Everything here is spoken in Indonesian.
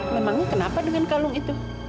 memangnya kenapa dengan kalung itu